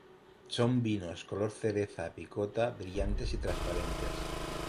Son vinos de color cereza a picota, brillantes y transparentes.